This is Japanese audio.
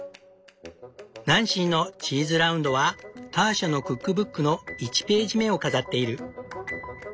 「ナンシーのチーズラウンド」はターシャのクックブックの１ページ目を飾っている。